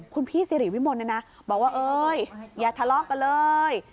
คุณพี่สิริวิมลนะนะบอกว่าเอ้ยอย่าทะเลาะกันเลย